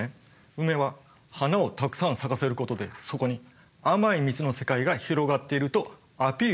ウメは花をたくさん咲かせることでそこに甘い蜜の世界が広がってるとアピールしているんです。